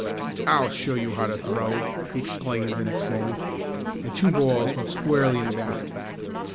"I'll show you how to throw!" he exclaimed the next moment, and two balls went squarely in the basket.